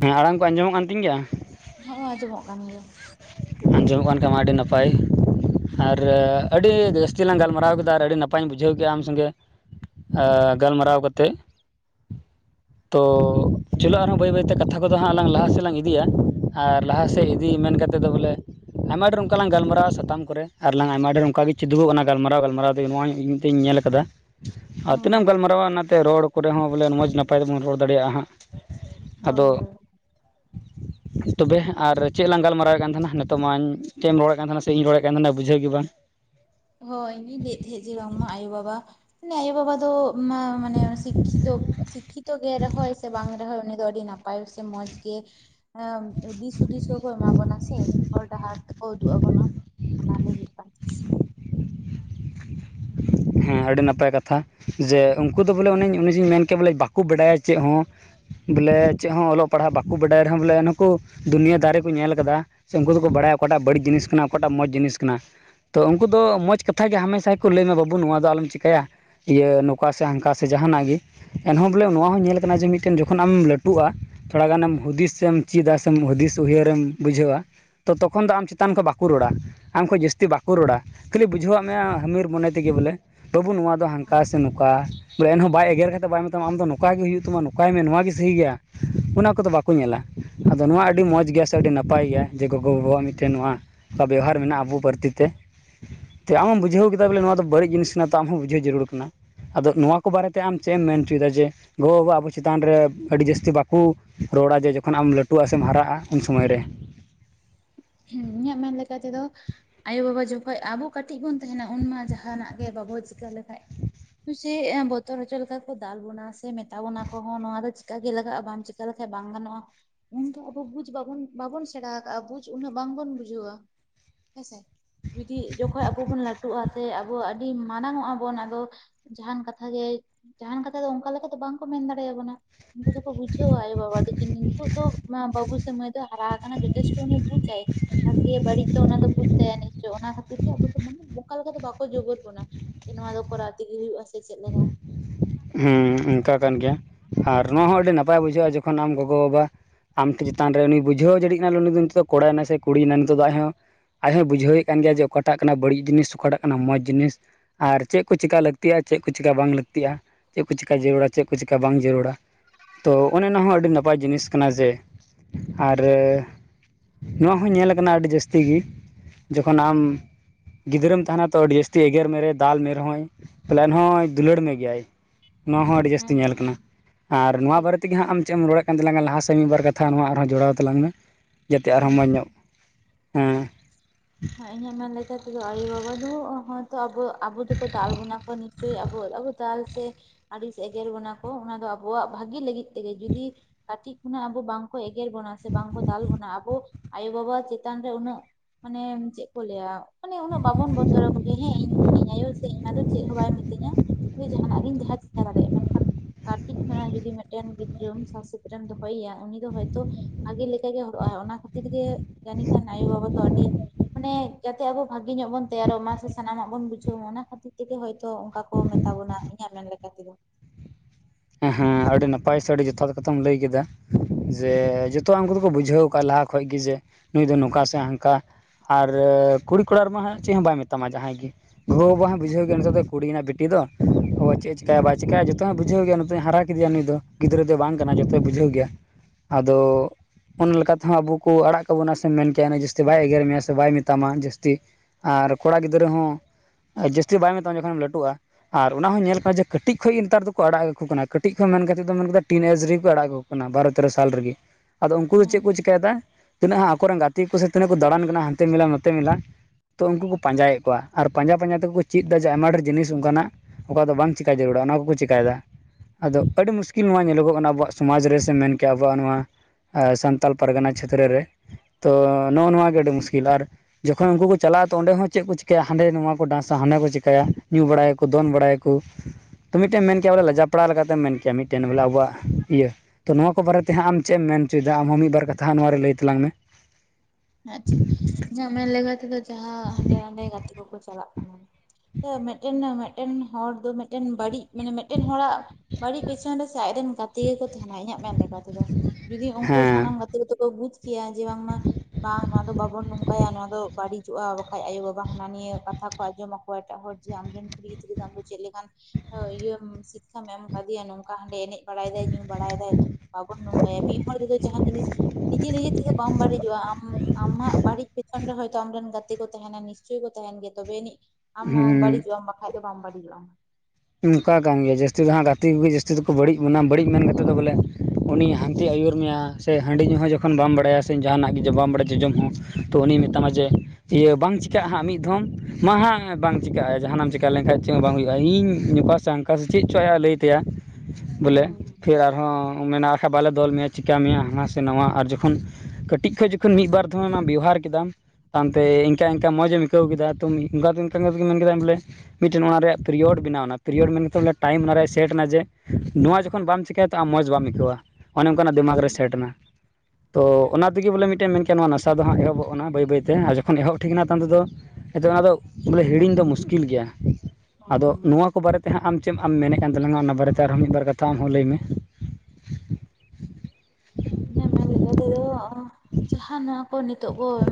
ᱦᱮᱸ ᱟᱲᱟᱝ ᱠᱚ ᱟᱸᱡᱚᱢᱚᱜ ᱠᱟᱱ ᱛᱤᱧ ᱜᱮᱭᱟ ᱦᱚᱸ ᱟᱸᱡᱚᱢᱚᱜ ᱠᱟᱱ ᱜᱮᱭᱟ ᱟᱸᱡᱚᱢᱚᱜ ᱠᱟᱱ ᱛᱟᱢᱟ ᱟᱹᱰᱤ ᱱᱟᱯᱟᱭ ᱟᱨ ᱟᱹᱰᱤ ᱡᱟᱹᱥᱛᱤ ᱞᱟᱝ ᱜᱟᱞᱢᱟᱨᱟᱣ ᱠᱮᱫᱟ ᱟᱨ ᱟᱹᱰᱤ ᱱᱟᱯᱟᱭᱤᱧ ᱵᱩᱡᱷᱟᱹᱣ ᱠᱮᱫᱼᱟ ᱟᱢ ᱥᱚᱸᱜᱮ ᱜᱟᱞᱢᱟᱨᱟᱣ ᱠᱟᱛᱮᱫ ᱛᱚ ᱪᱚᱞᱚ ᱟᱨᱦᱚᱸ ᱵᱟᱹᱭ ᱵᱟᱹᱭᱛᱮ ᱠᱟᱛᱷᱟ ᱠᱚᱫᱚ ᱦᱟᱸᱜ ᱞᱟᱦᱟ ᱥᱮᱫ ᱞᱟᱝ ᱤᱫᱤᱭᱟ ᱟᱨ ᱞᱟᱦᱟᱟᱥᱮᱫ ᱤᱫᱤ ᱢᱮᱱ ᱠᱟᱛᱮᱫ ᱫᱚ ᱵᱚᱞᱮ ᱟᱭᱢᱟ ᱰᱷᱮᱨ ᱚᱱᱠᱟ ᱞᱟᱝ ᱜᱟᱞᱟᱨᱣᱟ ᱥᱟᱛᱟᱢ ᱟᱭᱢᱟ ᱰᱷᱮᱨ ᱚᱱᱟᱜᱮ ᱪᱮᱫᱚᱜ ᱠᱟᱱᱟ ᱜᱟᱞᱢᱟᱨᱟᱣ ᱜᱟᱞᱢᱟᱨᱟᱣ ᱫᱚ ᱱᱚᱣᱟ ᱤᱧ ᱤᱧ ᱧᱮᱞ ᱟᱠᱟᱫᱟ ᱦᱩᱸ ᱛᱤᱱᱟᱹᱜ ᱮᱢ ᱦᱩᱸ ᱜᱟᱞᱢᱟᱨᱟᱣᱟ ᱚᱱᱟᱛᱮ ᱨᱚᱲ ᱠᱚᱨᱮ ᱦᱚᱸ ᱵᱚᱞᱮ ᱢᱚᱡᱽ ᱱᱟᱯᱟᱭ ᱛᱮᱵᱚᱱ ᱨᱚᱲ ᱫᱟᱲᱮᱭᱟᱜᱼᱟ ᱦᱟᱸᱜ ᱦᱳᱭ ᱟᱫᱚ ᱦᱳᱭ ᱛᱚᱵᱮ ᱟᱨ ᱪᱮᱫ ᱞᱟᱝ ᱜᱟᱞᱢᱟᱨᱟᱣ-ᱟ ᱠᱟᱱ ᱛᱟᱦᱮᱱᱟ ᱱᱤᱛᱚᱜ ᱢᱟᱧ ᱪᱮᱫ ᱮᱢ ᱨᱚᱲᱮᱫ ᱠᱟᱱ ᱛᱟᱦᱮᱱᱟ ᱥᱮ ᱤᱧ ᱨᱚᱲᱮᱫ ᱠᱟᱱ ᱛᱟᱦᱮᱱᱟ ᱵᱩᱡᱷᱟᱹᱣ ᱜᱮ ᱵᱟᱝ ᱦᱳᱭ ᱤᱧᱜᱮ ᱞᱟᱭᱮᱫ ᱛᱟᱦᱮᱡ ᱡᱮ ᱵᱟᱝ ᱢᱟ ᱟᱭᱳ ᱵᱟᱵᱟ ᱮ ᱟᱭᱳᱼᱵᱟᱵᱟ ᱫᱚ ᱢᱟᱱᱮ ᱥᱤᱠᱠᱷᱤᱛᱚ ᱥᱤᱠᱠᱷᱤᱛᱚ ᱜᱮ ᱨᱮᱦᱚᱸᱭ ᱥᱮ ᱵᱟᱝ ᱨᱮᱦᱚᱸᱭ ᱩᱱᱤ ᱫᱚ ᱟᱹᱰᱤ ᱱᱟᱯᱟᱭ ᱯᱟᱭᱮᱥ ᱥᱮ ᱢᱚᱡᱽ ᱜᱮ ᱫᱤᱥ ᱦᱩᱫᱤᱥ ᱦᱚᱸᱠᱚ ᱮᱢᱟ ᱵᱚᱱᱟ ᱥᱮ ᱦᱚᱨ ᱰᱟᱦᱟᱨ ᱛᱮᱠᱚ ᱩᱫᱩᱜ ᱟᱵᱚᱱᱟ ᱚᱱᱟ ᱞᱟᱹᱭ ᱦᱚᱭᱚᱜ ᱠᱟᱱ ᱛᱟᱦᱮ ᱦᱮᱸ ᱟᱹᱰᱤ ᱱᱟᱯᱟᱭ ᱠᱟᱛᱷᱟ ᱡᱮ ᱩᱱᱠᱩ ᱫᱚ ᱵᱚᱞᱮ ᱩᱱᱤ ᱡᱮᱧ ᱢᱮᱱ ᱠᱮᱜ ᱵᱚᱞᱮ ᱵᱟᱠᱚ ᱵᱟᱰᱟᱭᱟ ᱪᱮᱫ ᱦᱚᱸ ᱵᱚᱞᱮ ᱪᱮᱫ ᱦᱚᱸ ᱚᱞᱚᱜ ᱯᱟᱲᱦᱟᱜ ᱵᱟᱠᱚ ᱵᱟᱰᱟᱭ ᱨᱮᱦᱚᱸ ᱵᱚᱞᱮ ᱩᱱᱠᱩ ᱫᱩᱱᱤᱭᱟᱹ ᱫᱟᱨᱮ ᱠᱚ ᱧᱮᱞ ᱠᱟᱫᱟ ᱥᱮ ᱩᱱᱠᱩ ᱫᱚᱠᱚ ᱵᱟᱲᱟᱭᱟ ᱚᱠᱟᱴᱟᱜ ᱵᱟᱹᱲᱤᱡ ᱡᱤᱱᱤᱥ ᱠᱟᱱᱟ ᱚᱠᱟᱴᱟᱜ ᱢᱚᱡᱽ ᱡᱤᱱᱤᱥ ᱠᱟᱱᱟ ᱛᱚ ᱩᱱᱠᱩ ᱫᱚ ᱢᱚᱸᱡᱽ ᱠᱟᱛᱷᱟ ᱜᱮ ᱦᱟᱢᱮᱥᱟ ᱜᱮ ᱞᱟᱹᱭᱟᱢᱟ ᱵᱟᱹᱵᱩ ᱱᱚᱣᱟ ᱫᱚ ᱟᱞᱚᱢ ᱪᱤᱠᱟᱹᱭᱟ ᱤᱭᱟᱹ ᱱᱚᱝᱠᱟ ᱥᱮ ᱦᱟᱸᱝᱠᱟ ᱥᱮ ᱡᱟᱦᱟᱱᱟᱜ ᱜᱮ ᱮᱱᱦᱚᱸ ᱵᱚᱞᱮ ᱱᱚᱣᱟ ᱦᱚᱸ ᱧᱮᱞ ᱠᱟᱱᱟ ᱡᱮ ᱢᱤᱫᱴᱮᱱ ᱡᱚᱠᱷᱚᱱ ᱟᱢᱮᱢ ᱞᱟᱹᱴᱩᱜᱼᱟ ᱛᱷᱚᱲᱟ ᱜᱟᱱᱮᱢ ᱦᱩᱫᱤᱥ ᱮᱢ ᱪᱮᱫᱟ ᱥᱮ ᱦᱩᱫᱤᱥ ᱩᱭᱦᱟᱹᱨᱮᱢ ᱵᱩᱡᱷᱟᱹᱣᱟ ᱛᱚ ᱛᱚᱠᱷᱚᱱ ᱫᱚ ᱟᱢ ᱪᱮᱛᱟᱱ ᱠᱷᱚᱱ ᱵᱟᱠᱚ ᱨᱚᱲᱟ ᱟᱢ ᱠᱷᱚᱡ ᱡᱟᱹᱥᱛᱤ ᱵᱟᱠᱚ ᱨᱚᱲᱟ ᱠᱷᱟᱹᱞᱤ ᱵᱩᱡᱷᱟᱹᱣᱟᱜ ᱢᱮᱭᱟ ᱟᱢᱤᱨ ᱢᱚᱱᱮᱛᱮ ᱛᱮᱜᱮ ᱵᱚᱞᱮ ᱵᱟᱹᱵᱩ ᱱᱚᱣᱟ ᱫᱚ ᱦᱟᱸᱝᱠᱟ ᱛᱟᱦᱮᱸᱫ᱾ ᱥᱮ ᱱᱚᱝᱠᱟ ᱵᱚᱞᱮ ᱮᱱᱦᱚᱸ ᱵᱟᱭ ᱮᱜᱮᱨ ᱠᱟᱛᱮᱫ ᱵᱟᱭ ᱢᱮᱛᱟᱢᱟ ᱟᱢ ᱫᱚ ᱱᱚᱝᱠᱟ ᱜᱮ ᱦᱩᱭᱩᱜ ᱛᱟᱢᱟ ᱱᱚᱝᱠᱟᱭ ᱢᱮ ᱱᱚᱣᱟ ᱜᱮ ᱥᱟᱦᱤ ᱜᱮᱭᱟ ᱚᱱᱟ ᱠᱚᱫᱚ ᱵᱟᱠᱚ ᱧᱮᱞᱟ ᱟᱫᱚ ᱱᱚᱣᱟ ᱟᱹᱰᱤ ᱢᱚᱡᱽ ᱜᱮᱭᱟ ᱥᱮ ᱟᱹᱰᱤ ᱱᱟᱯᱟᱭ ᱜᱮᱭᱟ ᱡᱮ ᱜᱚᱜᱚᱼᱵᱟᱵᱟᱣᱟᱜ ᱢᱤᱫᱴᱮᱱ ᱱᱚᱣᱟ ᱵᱮᱣᱦᱟᱨ ᱢᱮᱱᱟᱜᱼᱟ ᱟᱵᱚ ᱯᱟᱹᱨᱥᱤ ᱛᱮ ᱛᱚ ᱟᱢᱮᱢ ᱵᱩᱡᱷᱟᱹᱣ ᱠᱮᱫᱟ ᱵᱚᱞᱮ ᱱᱚᱣᱟ ᱫᱚ ᱵᱟᱹᱲᱤᱡ ᱡᱤᱱᱤᱥ ᱠᱟᱱᱟ ᱛᱚ ᱟᱢ ᱦᱚᱸ ᱵᱩᱡᱷᱟᱹᱣ ᱡᱟᱹᱨᱩᱲ ᱠᱟᱱᱟ ᱟᱫᱚ ᱱᱚᱣᱟ ᱠᱚ ᱵᱟᱨᱮᱛᱮ ᱟᱢ ᱪᱮᱫ ᱮᱢ ᱢᱮᱱ ᱚᱪᱚᱭᱮᱫᱟ ᱡᱮ ᱜᱚᱼᱵᱟᱵᱟ ᱟᱵᱚ ᱪᱮᱛᱟᱱ ᱨᱮ ᱟᱹᱰᱤ ᱡᱟᱹᱥᱛᱤ ᱵᱟᱠᱚ ᱨᱚᱲᱟ ᱡᱮ ᱡᱚᱠᱷᱚᱱ ᱟᱢ ᱞᱟᱹᱴᱩᱜᱼᱟ ᱥᱮᱢ ᱦᱟᱨᱟᱜᱼᱟ ᱩᱱ ᱥᱩᱢᱚᱭ ᱨᱮ ᱦᱮᱸ ᱤᱧᱟᱹᱜ ᱢᱮᱱ ᱞᱮᱠᱟ ᱛᱮᱫᱚ ᱟᱭᱳᱼᱵᱟᱵᱟ ᱡᱚᱠᱷᱚᱱ ᱟᱵᱚ ᱠᱟᱹᱴᱤᱡ ᱵᱚᱱ ᱛᱟᱦᱮᱱᱟ ᱩᱱᱢᱟ ᱡᱟᱦᱟᱱᱟᱜ ᱜᱮ ᱵᱟᱵᱚ ᱪᱤᱠᱟᱹ ᱞᱮᱠᱷᱟᱡ ᱵᱚᱛᱚᱨ ᱦᱚᱪᱚ ᱞᱮᱠᱟ ᱠᱚ ᱫᱟᱞ ᱵᱚᱱᱟ ᱥᱮ ᱢᱮᱛᱟ ᱵᱚᱱᱟ ᱠᱚᱦᱚᱸ ᱱᱚᱣᱟ ᱫᱚ ᱪᱮᱠᱟ ᱜᱮ ᱞᱟᱜᱟᱜᱼᱟ ᱵᱟᱝ ᱚᱱᱠᱟ ᱞᱮᱠᱟᱱ ᱵᱟᱝ ᱜᱟᱱᱚᱜᱼᱟ ᱩᱱ ᱫᱚ ᱟᱵᱚ ᱵᱩᱡᱽ ᱵᱟᱵᱚᱱ ᱵᱟᱵᱚᱱ ᱥᱮᱬᱟ ᱟᱠᱟᱜᱼᱟ ᱵᱩᱡᱽ ᱩᱱᱟᱹᱜ ᱵᱟᱝ ᱵᱚᱱ ᱵᱩᱡᱷᱟᱹᱣᱟ ᱦᱮᱸᱥᱮ ᱡᱩᱫᱤ ᱡᱚᱠᱷᱚᱱ ᱟᱵᱚ ᱵᱚᱱ ᱞᱟᱹᱴᱩᱜᱼᱟ ᱟᱵᱚᱣᱟᱜ ᱟᱹᱰᱤ ᱟᱹᱰᱤ ᱢᱟᱨᱟᱝᱚᱜ ᱟᱵᱚᱱ ᱟᱫᱚ ᱡᱟᱦᱟᱱ ᱠᱟᱛᱷᱟ ᱜᱮ ᱡᱟᱦᱟᱱ ᱠᱟᱛᱷᱟ ᱫᱚ ᱚᱱᱠᱟ ᱞᱮᱠᱟ ᱫᱚ ᱵᱟᱝ ᱠᱚ ᱢᱮᱱ ᱫᱟᱲᱮ ᱟᱵᱚᱱᱟ ᱩᱱᱠᱩ ᱫᱚᱠᱚ ᱵᱩᱡᱷᱟᱹᱣᱟ ᱟᱭᱳ ᱵᱟᱵᱟ ᱫᱚ ᱡᱮᱹ ᱱᱤᱛᱚᱜ ᱫᱚ ᱵᱟᱹᱵᱩ ᱥᱮ ᱢᱟᱹᱭ ᱫᱚ ᱦᱟᱨᱟ ᱟᱠᱟᱱᱟ ᱡᱚᱛᱷᱮᱥᱴᱚ ᱩᱱᱤ ᱵᱩᱡ ᱵᱷᱟᱜᱮ ᱵᱟᱹᱲᱤᱡ ᱫᱚ ᱚᱱᱟ ᱫᱚ ᱵᱩᱡ ᱛᱟᱭᱟ ᱱᱤᱥᱪᱭ ᱚᱱᱟ ᱠᱷᱟᱹᱛᱤᱨ ᱜᱮ ᱟᱵᱚ ᱫᱚ ᱢᱟᱱᱮ ᱚᱠᱟ ᱞᱮᱠᱟ ᱫᱚ ᱵᱟᱠᱚ [inaudible] ᱵᱚᱱᱟ ᱱᱚᱣᱟ ᱫᱚ ᱠᱚᱨᱟᱣ ᱛᱮᱜᱮ ᱦᱩᱭᱩᱜᱼᱟ ᱥᱮ ᱪᱮᱫ ᱞᱮᱠᱟ ᱦᱩᱸ ᱚᱱᱠᱟ ᱠᱟᱱ ᱜᱮᱭᱟ ᱟᱨ ᱱᱚᱣᱟ ᱦᱚᱸ ᱟᱹᱰᱤ ᱱᱟᱯᱟᱭ ᱵᱩᱡᱷᱟᱹᱜᱼᱟ ᱡᱚᱠᱷᱚᱱ ᱟᱢ ᱜᱚᱜᱚᱼᱵᱟᱵᱟ ᱾ ᱟᱢ ᱴᱷᱮᱱ ᱪᱮᱛᱟᱱ ᱨᱮ ᱩᱱᱤ ᱵᱩᱡᱷᱟᱹᱣ ᱡᱟᱲᱤᱱᱟᱭ ᱩᱱᱤ ᱫᱚ ᱱᱤᱛᱚᱜ ᱠᱚᱲᱟ ᱱᱟᱭ ᱥᱮ ᱠᱩᱲᱤ ᱱᱟᱭ ᱱᱤᱛᱚᱜ ᱫᱚ ᱟᱡ ᱦᱚᱸ, ᱟᱡ ᱦᱚᱭ ᱵᱩᱡᱷᱟᱹᱣᱮᱫ ᱠᱟᱱ ᱜᱮᱭᱟ ᱡᱮ ᱚᱠᱟᱴᱟᱜ ᱠᱟᱱᱟ ᱵᱟᱹᱲᱤᱡ ᱡᱤᱱᱤᱥ ᱚᱠᱟᱴᱟᱜ ᱠᱟᱱᱟ ᱢᱚᱡᱽ ᱡᱤᱱᱤᱥ, ᱟᱨ ᱪᱮᱫ ᱠᱚ ᱪᱮᱠᱟ ᱞᱟᱹᱠᱛᱤᱭᱟ ᱾ ᱪᱮᱫ ᱠᱚ ᱪᱤᱠᱟ ᱵᱟᱝ ᱞᱟᱹᱠᱛᱤᱜᱼᱟ ᱪᱮᱫ ᱠᱚ ᱪᱤᱠᱟᱹ ᱡᱟᱹᱨᱩᱲᱟ ᱪᱮᱫ ᱠᱚ ᱪᱤᱠᱟᱹ ᱵᱟᱝ ᱡᱟᱹᱨᱩᱲᱟ ᱛᱚ ᱚᱱᱮ ᱚᱱᱟ ᱦᱚᱸ ᱟᱹᱰᱤ ᱱᱟᱯᱟᱭ ᱡᱤᱱᱤᱥ ᱠᱟᱱᱟ ᱡᱮ ᱟᱨᱻ ᱱᱚᱣᱟ ᱦᱚᱸ ᱧᱮᱞ ᱠᱟᱱᱟ ᱟᱹᱰᱤ ᱡᱟᱹᱥᱛᱤ ᱜᱮ ᱡᱚᱠᱷᱚᱱ ᱟᱢ ᱜᱤᱫᱽᱨᱟᱹᱢ ᱛᱟᱦᱮᱱᱟ ᱛᱚ ᱟᱹᱰᱤ ᱡᱟᱹᱥᱛᱤ ᱮᱜᱮᱨ ᱢᱮᱨᱮ ᱫᱟᱞ ᱢᱮ ᱨᱮᱦᱚᱸᱭ ᱾ ᱯᱟᱞᱮᱱ ᱦᱚᱸᱭ ᱫᱩᱞᱟᱹᱲ ᱢᱮ ᱜᱮᱭᱟᱭ ᱱᱚᱣᱟ ᱦᱚᱸ ᱟᱹᱰᱤ ᱡᱟᱹᱥᱛᱤ ᱦᱮᱸ ᱧᱮᱞ ᱟᱠᱟᱱᱟ ᱾ ᱟᱨ ᱱᱚᱣᱟ ᱴᱷᱤᱠ ᱵᱟᱨᱮ ᱛᱮᱜᱮ ᱦᱟᱸᱜ ᱟᱢ ᱪᱮᱫ ᱮᱢ ᱨᱚᱲᱮᱫ ᱠᱟᱱ ᱛᱟᱞᱟᱝᱟ ᱞᱟᱦᱟ ᱥᱮᱫ ᱢᱤᱫᱵᱟᱨ ᱠᱟᱛᱷᱟ ᱱᱚᱣᱟ ᱟᱨᱦᱚᱸ ᱡᱚᱲᱟᱣ ᱛᱞᱟᱝ ᱢᱮ, ᱡᱟᱛᱮ ᱟᱨᱦᱚᱸ ᱦᱮᱸ ᱢᱚᱡᱽ ᱟᱪᱪᱷᱟ ᱧᱚᱜ ᱦᱮᱸ ᱦᱮᱸ ᱤᱧᱟᱹᱜ ᱢᱮᱱ ᱞᱮᱠᱟᱛᱮ ᱫᱚ ᱟᱭᱳ ᱵᱟᱵᱟ ᱫᱚ ᱦᱚᱭᱛᱚ ᱟᱵᱚ ᱟᱵᱚ ᱫᱚᱠᱚ ᱫᱟᱞ ᱵᱚᱱᱟ ᱠᱚ ᱪᱮᱜ ᱟᱵᱚ ᱟᱵᱚ ᱫᱟᱞ ᱥᱮ ᱟᱹᱲᱤᱥ ᱮᱜᱮᱨ ᱵᱚᱱᱟ ᱠᱚ ᱚᱱᱟ ᱫᱚ ᱟᱵᱚᱣᱟᱜ ᱵᱷᱟᱜᱤ ᱞᱟᱹᱜᱤᱫ ᱛᱮᱜᱮ ᱡᱩᱫᱤ ᱠᱟᱹᱴᱤᱡ ᱠᱷᱚᱱᱟᱜ ᱟᱵᱚ ᱵᱟᱝ ᱠᱚ ᱮᱜᱮᱨ ᱵᱚᱱᱟ ᱥᱮ ᱵᱟᱝ ᱠᱚ ᱫᱟᱞ ᱵᱚᱱᱟ ᱟᱵᱚ ᱟᱭᱳ ᱵᱟᱵᱟ ᱪᱮᱛᱟᱱ ᱨᱮ ᱩᱱᱟᱹᱜ ᱢᱟᱱᱮ ᱪᱮᱫ ᱠᱚ ᱞᱟᱹᱭᱟ ᱾ ᱢᱟᱱᱮ ᱩᱱᱟᱹᱜ ᱵᱟᱵᱚᱱ ᱵᱚᱛᱚᱨ ᱟᱠᱚ ᱜᱮᱭᱟ ᱦᱮᱸ ᱤᱧ ᱤᱧ ᱟᱭᱳ ᱥᱮ ᱤᱧ ᱢᱟ ᱫᱚ ᱪᱮᱫ ᱦᱚᱸ ᱵᱟᱭ ᱢᱤᱛᱟᱹᱧᱟ ᱡᱮ ᱡᱟᱦᱟᱱᱟᱜ ᱾ ᱤᱧ ᱡᱟᱦᱟᱸ ᱪᱮᱠᱟᱹ ᱫᱟᱲᱮᱭᱟᱜᱼᱟ ᱢᱮᱱᱠᱷᱟᱱ ᱠᱟᱹᱴᱤᱡ ᱠᱷᱚᱱᱟᱜ ᱡᱩᱫᱤ ᱢᱤᱫᱴᱮᱱ ᱜᱤᱫᱽᱨᱟᱹᱢ ᱥᱟᱥᱮᱛ ᱨᱮᱢ ᱫᱚᱦᱚᱭᱮᱭᱟ ᱩᱱᱤ ᱫᱚ ᱦᱚᱭᱛᱚ ᱵᱷᱟᱜᱮ ᱞᱮᱠᱟ ᱜᱮ ᱦᱚᱲᱚᱜᱼᱟᱭ ᱚᱱᱟ ᱠᱷᱟᱹᱛᱤᱨ ᱜᱮ ᱡᱟᱹᱱᱤᱡ ᱠᱷᱟᱱ ᱟᱭᱳ-ᱵᱟᱵᱟ ᱫᱚ ᱟᱹᱰᱤ ᱢᱟᱱᱮ ᱡᱟᱛᱮ ᱟᱵᱚ ᱵᱷᱟᱜᱤ ᱧᱚᱜ ᱵᱚᱱ ᱛᱮᱭᱟᱨᱚᱜ ᱢᱟ ᱥᱮ ᱥᱟᱱᱟᱢᱟᱜ ᱵᱚᱱ ᱵᱩᱡᱷᱟᱹᱣ ᱢᱟ ᱚᱱᱟ ᱠᱷᱟᱹᱛᱤᱨ ᱛᱮᱜᱮ ᱦᱭᱛᱳ ᱚᱱᱠᱟ ᱠᱚ ᱢᱮᱛ ᱛᱟᱵᱚᱱᱟ ᱤᱧᱟᱜ ᱢᱮᱱ ᱞᱮᱠᱟ ᱛᱮᱫᱚ ᱾ ᱦᱮᱸ ᱟᱹᱰᱤ ᱱᱟᱯᱟᱭ ᱥᱮ ᱟᱹᱰᱤ ᱡᱚᱛᱷᱟᱛ ᱠᱟᱛᱷᱟᱢ ᱞᱟᱹᱭ ᱠᱮᱫᱟ ᱾ ᱡᱮ ᱡᱚᱛᱚᱣᱟᱜ ᱩᱱᱠᱩ ᱫᱚᱠᱚ ᱵᱩᱡᱷᱟᱹᱣ ᱠᱟᱜᱼᱟ ᱞᱟᱦᱟ ᱠᱷᱚᱡ ᱜᱮ ᱡᱮ ᱱᱩᱭ ᱫᱚ ᱱᱚᱝᱠᱟ ᱥᱮ ᱦᱟᱱᱠᱟ ᱾ ᱟᱨ ᱠᱩᱲᱤ ᱠᱚᱲᱟ ᱨᱮᱢᱟ ᱦᱟᱸᱜ ᱪᱮᱫ ᱦᱚᱸ ᱵᱟᱭ ᱢᱮᱛᱟᱢᱟ ᱡᱟᱦᱟᱸᱭ ᱜᱮ ᱵᱷᱳᱜᱽ [unintelligible] ᱦᱟᱸᱜ ᱮ ᱵᱩᱡᱷᱟᱹᱣ ᱜᱮᱭᱟ ᱦᱩᱸ ᱱᱤᱛᱚᱜ ᱫᱚ ᱠᱩᱲᱤ ᱮᱱᱟᱭ ᱵᱤᱴᱤ ᱫᱚ ᱟᱵᱚ ᱪᱮᱫ ᱪᱮᱠᱟᱭᱟ ᱵᱟᱭ ᱪᱮᱠᱟᱭᱟ ᱡᱚᱛᱚ ᱦᱟᱸᱜ ᱮ ᱵᱩᱡᱷᱟᱹᱣ ᱜᱮᱭᱟ ᱾ ᱱᱤᱛ ᱫᱚ ᱦᱟᱨᱟ ᱠᱮᱫᱮᱭᱟ ᱱᱩᱭ ᱫᱚ ᱜᱤᱫᱽᱨᱟᱹ ᱫᱚ ᱵᱟᱝ ᱠᱟᱱᱟ ᱡᱚᱛᱚᱭ ᱵᱩᱡᱷᱟᱹᱣ ᱜᱮᱭᱟ ᱾ ᱟᱫᱚ ᱚᱱᱟ ᱞᱮᱠᱟ ᱛᱮᱦᱚᱸ ᱟᱵᱚ ᱠᱚ ᱟᱲᱟᱜ ᱠᱟᱵᱚᱱᱟ ᱥᱮ ᱢᱮᱱ ᱠᱮᱭᱟ ᱡᱟᱹᱥᱛᱤ ᱵᱟᱭ ᱮᱜᱮᱨ ᱢᱮᱭᱟ ᱥᱮ ᱵᱟᱭ ᱢᱮᱛᱟᱢᱟ ᱡᱟᱹᱥᱛᱤ ᱟᱨ ᱠᱚᱲᱟ ᱜᱤᱫᱽᱨᱟᱹ ᱦᱚᱸ, ᱡᱟᱹᱥᱛᱤ ᱵᱟᱭ ᱢᱮᱛᱟᱢᱟ ᱡᱚᱠᱷᱚᱱ ᱞᱟᱹᱴᱩᱜᱼᱟ ᱟᱨ ᱚᱱᱟ ᱦᱚᱸ ᱧᱮᱞ ᱠᱟᱱᱟ ᱡᱮ ᱠᱟᱹᱴᱤᱡ ᱠᱷᱚᱡ ᱜᱮ ᱱᱮᱛᱟᱨ ᱫᱚᱠᱚ ᱟᱲᱟᱜ ᱠᱩ ᱠᱟᱱᱟ ᱠᱟᱹᱴᱤᱡ ᱠᱷᱚᱱ ᱢᱮᱱ ᱠᱟᱛᱮᱫ ᱫᱚ ᱢᱮᱱᱫᱟ ᱛᱤᱱ ᱮᱡᱽ ᱨᱮᱜᱮ ᱠᱚ ᱟᱲᱟᱜ ᱠᱟᱠᱚ ᱠᱟᱱᱟ ᱵᱟᱨᱚ ᱛᱮᱨᱚ ᱥᱟᱞ ᱨᱮᱜᱮ, ᱟᱫᱚ ᱩᱱᱠᱩ ᱫᱚ ᱪᱮᱫ ᱠᱚ ᱪᱤᱠᱟᱹᱭᱮᱫᱟ ᱛᱤᱱᱟᱹᱜ ᱦᱟᱸᱜ ᱟᱠᱚᱨᱮᱱ ᱜᱟᱛᱮ ᱠᱚ ᱥᱮ ᱛᱤᱱᱟᱹᱜ ᱠᱚ ᱫᱟᱬᱟᱱ ᱠᱟᱱᱟ ᱦᱟᱱᱛᱮ ᱢᱮᱞᱟ ᱱᱚᱛᱮ ᱢᱮᱞᱟ ᱾ ᱛᱚ ᱩᱱᱠᱩ ᱠᱚ ᱯᱟᱸᱡᱟᱭᱮᱫ ᱠᱚᱣᱟ ᱟᱨ ᱯᱟᱸᱡᱟ ᱯᱟᱸᱡᱟ ᱛᱮᱠᱚ ᱪᱮᱫ ᱮᱫᱟ ᱡᱮ ᱟᱭᱢᱟ ᱰᱷᱮᱨ ᱡᱤᱱᱤᱥ ᱚᱱᱠᱟᱱᱟᱜ ᱚᱠᱟ ᱫᱚ ᱵᱟᱝ ᱪᱮᱠᱟ ᱡᱟᱹᱨᱩᱲᱟ ᱚᱱᱟ ᱠᱚ ᱠᱚ ᱪᱤᱠᱟᱭᱮᱫᱟ ᱾ ᱟᱫᱚ ᱟᱹᱰᱤ ᱢᱩᱥᱠᱤᱞ ᱱᱚᱣᱟ ᱧᱮᱞᱚᱜᱚᱜ ᱠᱟᱱᱟ ᱟᱵᱚᱣᱟᱜ ᱥᱚᱢᱟᱡᱽ ᱨᱮ ᱥᱮ ᱢᱮᱱᱠᱮ ᱟᱵᱚᱣᱟᱜ ᱱᱚᱣᱟ ᱥᱟᱱᱛᱟᱞ ᱯᱟᱨᱜᱟᱱᱟ ᱪᱷᱮᱛᱨᱚ ᱨᱮ ᱛᱚ ᱱᱚᱜᱼᱚᱭ ᱱᱚᱣᱟ ᱜᱮ ᱟᱹᱰᱤ ᱢᱩᱥᱠᱤᱞ ᱟᱨ, ᱡᱚᱠᱷᱚᱱ ᱩᱱᱠᱩ ᱠᱚ ᱪᱟᱞᱟᱜᱼᱟ ᱛᱚ ᱚᱸᱰᱮ ᱦᱚᱸ ᱪᱮᱫ ᱠᱚ ᱪᱤᱠᱟᱹᱭᱟ ᱦᱟᱸᱰᱮ ᱱᱚᱣᱟ ᱠᱚ ᱰᱟᱱᱥᱟ ᱦᱟᱸᱱᱟ ᱠᱚ ᱪᱮᱠᱟᱹᱭᱟ ᱧᱩ ᱵᱟᱲᱟᱭ ᱟᱠᱚ ᱫᱚᱱ ᱵᱟᱲᱟᱭ ᱟᱠᱚ ᱛᱚ ᱢᱤᱫᱴᱮᱱ ᱢᱮᱱ ᱠᱮᱜᱼᱟ ᱵᱚᱞᱮ ᱞᱟᱡᱟᱯᱟᱲᱟᱣ ᱞᱮᱠᱟᱛᱮᱢ ᱢᱮᱱ ᱠᱮᱭᱟ ᱢᱤᱫᱴᱮᱱ ᱵᱚᱞᱮ ᱟᱵᱚᱣᱟᱜ ᱤᱭᱟᱹ ᱛᱚ ᱱᱚᱣᱟ ᱠᱚ ᱵᱟᱨᱮᱛᱮ ᱦᱟᱸᱜ ᱟᱢ ᱪᱮᱫ ᱮᱢ ᱢᱮᱱ ᱦᱚᱪᱚᱭᱮᱫᱟ ᱟᱢᱦᱚᱸ ᱢᱤᱫᱵᱟᱨ ᱠᱟᱛᱷᱟ ᱱᱚᱣᱟ ᱨᱮ ᱞᱟᱹᱭ ᱛᱟᱞᱟᱝ ᱢᱮ, ᱟᱪᱪᱷᱟ ᱤᱧᱟᱹᱜ ᱢᱮᱱ ᱞᱮᱠᱟ ᱛᱮᱫᱚ ᱡᱟᱦᱟᱸ ᱦᱟᱸᱰᱮ ᱱᱟᱸᱰᱮ ᱜᱟᱛᱮ ᱠᱚ ᱠᱚ ᱪᱟᱞᱟᱜ ᱠᱟᱱᱟ ᱾ ᱛᱚ ᱢᱮᱫᱴᱮᱱ ᱢᱮᱫᱴᱮᱱ ᱦᱚᱲ ᱫᱚ ᱢᱮᱫᱴᱮᱱ ᱵᱟᱹᱲᱤᱡ ᱢᱟᱱᱮ ᱢᱮᱫᱴᱮᱱ ᱦᱚᱲᱟᱜ, ᱵᱟᱹᱲᱤᱡ ᱯᱤᱪᱷᱚᱱ ᱨᱮ ᱥᱮ ᱟᱡᱨᱮᱱ ᱜᱟᱛᱮ ᱜᱮᱠᱚ ᱛᱟᱦᱮᱱᱟ ᱤᱧᱟᱹᱜ ᱢᱮᱱ ᱞᱮᱠᱟ ᱛᱮᱫᱚ ᱾ ᱡᱩᱫᱤ ᱩᱱᱠᱩ ᱥᱟᱱᱟᱢ ᱦᱮᱸ ᱜᱟᱛᱮ ᱠᱚ ᱵᱩᱡᱽ ᱠᱮᱭᱟ ᱡᱮ ᱵᱟᱝᱢᱟ, ᱵᱟᱝ ᱱᱚᱣᱟ ᱫᱚ ᱵᱟᱵᱚᱱ ᱱᱚᱝᱠᱟᱭᱟ ᱱᱚᱣᱟ ᱫᱚ ᱵᱟᱹᱲᱤᱡᱚᱜᱼᱟ ᱵᱟᱠᱷᱟᱡ ᱟᱭᱳ ᱵᱟᱵᱟ ᱦᱟᱱᱟ ᱱᱤᱭᱟᱹ ᱠᱟᱛᱷᱟ ᱠᱚ ᱟᱸᱡᱚᱢ ᱟᱠᱚᱣᱟ ᱮᱴᱟᱜ ᱦᱚᱲ, ᱡᱮ ᱟᱢᱨᱮᱱ ᱠᱩᱲᱤ ᱜᱤᱫᱽᱨᱟᱹ ᱫᱚ ᱟᱢ ᱫᱚ ᱪᱮᱫ ᱞᱮᱠᱟᱱ ᱚ ᱤᱭᱟᱹ ᱥᱤᱠᱷᱟᱢ ᱮᱢ ᱠᱟᱫᱮᱭᱟ ᱱᱚᱝᱠᱟ ᱦᱟᱸᱰᱮ ᱮᱱᱮᱡ ᱵᱟᱲᱟᱭ ᱫᱟᱭ ᱧᱩ ᱵᱟᱲᱟᱭ ᱫᱟᱭ, ᱵᱟᱵᱚᱱ ᱱᱚᱝᱠᱟᱭᱟ ᱢᱤᱫ ᱦᱚᱲ ᱨᱮᱫᱚ ᱡᱟᱦᱟᱱ ᱡᱤᱱᱤᱥ ᱱᱤᱡᱮ ᱱᱤᱡᱮ ᱛᱮᱫᱚ ᱵᱟᱢ ᱵᱟᱹᱲᱤᱡᱚᱜᱼᱟ ᱟᱢ ᱟᱢᱟᱜ ᱵᱟᱹᱲᱤᱡ ᱯᱮᱪᱷᱚᱱ ᱨᱮ ᱦᱚᱭᱛᱳ ᱟᱢᱨᱮᱱ ᱜᱟᱛᱮ ᱠᱚ ᱛᱟᱦᱮᱱᱟ ᱱᱤᱥᱪᱳᱚᱭ ᱠᱚ ᱛᱟᱦᱮᱱ ᱜᱮᱭᱟ ᱛᱚᱵᱮ ᱟᱹᱱᱤᱡ ᱟᱢ ᱦᱩᱸ ᱵᱟᱹᱲᱤᱡᱚᱜ ᱟᱢ ᱵᱟᱠᱷᱟᱡ ᱫᱚ ᱵᱟᱢ ᱵᱟᱹᱲᱤᱡᱚᱜᱼᱟᱢᱟ ᱾ ᱚᱱᱠᱟ ᱠᱟᱱ ᱜᱮᱭᱟ ᱡᱟᱹᱥᱛᱤ ᱫᱚ ᱦᱟᱸᱜ ᱜᱟᱛᱮ ᱠᱚᱜᱮ ᱡᱟᱹᱥᱛᱤ ᱫᱚᱠᱚ ᱵᱟᱹᱲᱤᱡ ᱵᱚᱱᱟ ᱵᱟᱹᱲᱤᱡ ᱢᱮᱱ ᱠᱟᱛᱮᱫ ᱫᱚ ᱵᱚᱞᱮ, ᱩᱱᱤ ᱦᱟᱱᱛᱮ ᱟᱹᱭᱩᱨ ᱢᱮᱭᱟ ᱥᱮ ᱦᱟᱺᱰᱤ ᱧᱩᱚᱜ ᱦᱚᱸ ᱡᱚᱠᱷᱚᱱ ᱵᱟᱢ ᱵᱟᱲᱟᱭᱟ ᱥᱮ ᱡᱟᱦᱟᱱᱟᱜ ᱜᱮ ᱵᱟᱢ ᱵᱟᱲᱟᱭᱟ ᱡᱚᱡᱚᱢ ᱦᱚᱸ, ᱛᱚ ᱩᱱᱤᱭ ᱢᱮᱛᱟᱢᱟ ᱡᱮ ᱤᱭᱟᱹ ᱵᱟᱝ ᱪᱤᱠᱟᱹᱜᱼᱟ ᱦᱟᱸᱜ ᱢᱤᱫ ᱫᱷᱚᱢ ᱢᱟ ᱦᱟᱸᱜ ᱵᱟᱝ ᱪᱤᱠᱟᱹᱜᱼᱟ ᱡᱟᱦᱟᱱᱟᱜ ᱮᱢ ᱪᱤᱠᱟ ᱞᱮᱱᱠᱷᱟᱱ ᱪᱮᱫ ᱦᱚᱸ ᱵᱟᱝ ᱦᱩᱭᱩᱜᱼᱟ ᱤᱧ [unintelligible] ᱧᱯ [unintelligible] ᱥᱟᱝᱠᱟ ᱥᱮ ᱪᱮᱫᱪᱚᱭ ᱞᱟᱹᱭ ᱛᱟᱭᱟ ᱵᱚᱞᱮ ᱦᱩᱸ ᱯᱷᱤᱨ ᱟᱨᱦᱚᱸ ᱢᱮᱱᱟ ᱟᱨᱠᱷᱟᱱ [unintelligible] ᱵᱟᱞᱮ ᱫᱚᱞ ᱢᱮᱭᱟ ᱪᱤᱠᱟᱹ ᱢᱮᱭᱟ ᱦᱟᱱᱟ ᱥᱮ ᱱᱚᱣᱟ ᱟᱨ ᱡᱚᱠᱷᱚᱱ ᱠᱟᱹᱴᱤᱡ ᱠᱷᱚᱡ ᱡᱚᱠᱷᱚᱱ ᱢᱤᱫᱵᱟᱨ ᱫᱷᱚᱨᱮᱢ ᱵᱮᱣᱦᱟᱨ ᱠᱮᱫᱟᱢ ᱛᱟᱭᱚᱢᱛᱮ ᱤᱱᱠᱟᱹ ᱤᱱᱠᱟᱹ ᱢᱚᱸᱡᱮᱢ ᱟᱹᱭᱠᱟᱹᱣ ᱠᱮᱫᱟ ᱛᱚ ᱚᱱᱠᱟ ᱠᱚ ᱢᱮᱱ ᱠᱮᱫᱟ ᱵᱚᱞᱮ ᱢᱤᱫᱴᱮᱱ ᱚᱱᱟ ᱨᱮᱭᱟᱜ ᱯᱮᱨᱤᱭᱳᱰ ᱵᱮᱱᱟᱣ ᱚᱱᱟ ᱯᱤᱨᱤᱭᱳᱰ ᱢᱮᱱ ᱠᱟᱛᱮᱫ ᱵᱚᱞᱮ ᱴᱟᱭᱤᱢ ᱚᱱᱟᱨᱮ ᱥᱮᱴ ᱮᱱᱟ ᱡᱮ ᱱᱚᱣᱟ ᱡᱚᱠᱷᱚᱱ ᱵᱟᱢ ᱪᱮᱤᱠᱟᱹ ᱛᱚ ᱟᱢ ᱢᱚᱸᱡᱽ ᱵᱟᱢ ᱟᱹᱭᱠᱟᱹᱣᱟ ᱚᱱᱮ ᱚᱱᱠᱟᱱᱟᱜ ᱫᱮᱢᱟᱜᱽ ᱦᱩᱸ ᱨᱮ ᱦᱩᱸ ᱥᱮᱴ ᱦᱩᱸ ᱮᱱᱟ ᱛᱚ ᱴᱷᱤᱠ ᱚᱱᱟ ᱛᱮᱜᱮ ᱵᱚᱞᱮ ᱢᱤᱫᱴᱮᱱ ᱢᱮᱱᱼᱼ ᱪᱮ ᱱᱚᱣᱟ ᱱᱟᱥ ᱫᱚ ᱦᱟᱸᱜ ᱮᱦᱚᱵᱚᱜ ᱠᱟᱱᱟ ᱵᱟᱹᱭ ᱵᱟᱹᱭᱛᱮ ᱟᱨ ᱡᱚᱠᱷᱚᱱ ᱮᱦᱚᱵ ᱴᱷᱤᱠᱱᱟ ᱛᱟᱭᱚᱢ ᱛᱮᱫᱚ ᱟᱫᱚ ᱚᱱᱟ ᱫᱚ ᱵᱚᱞᱮ ᱦᱤᱲᱤᱧ ᱫᱚ ᱢᱩᱥᱠᱤᱞ ᱜᱮᱭᱟ ᱦᱩᱸ ᱟᱫᱚ ᱦᱩᱸ ᱱᱚᱣᱟ ᱠᱚ ᱵᱟᱨᱮᱛᱮ ᱦᱟᱸᱜ ᱟᱢ ᱪᱮᱫ ᱮᱢ ᱢᱮᱱᱮᱫ ᱠᱟᱱ ᱛᱟᱞᱟᱝᱟ ᱚᱱᱟ ᱵᱟᱨᱮᱛᱮ ᱟᱨᱦᱚᱸ ᱢᱤᱫ ᱵᱟᱨ ᱠᱟᱛᱷᱟ ᱟᱢ ᱞᱟᱹᱭ ᱢᱮ ᱤᱧᱟᱹᱜ ᱢᱮᱱ ᱞᱮᱠᱟ ᱛᱮᱫᱚ ᱡᱟᱦᱟᱸ ᱱᱚᱣᱟ ᱠᱚ ᱱᱤᱛᱚᱜ ᱵᱚᱱ